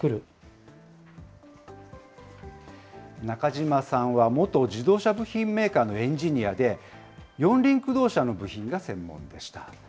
中島さんは元自動車部品メーカーのエンジニアで、四輪駆動車の部品が専門でした。